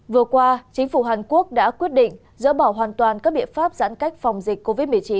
vừa qua chính phủ hàn quốc đã quyết định dỡ bỏ hoàn toàn các biện pháp giãn cách phòng dịch covid một mươi chín